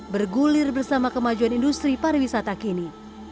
bergulir bersama kemajuan industri pariwisata kini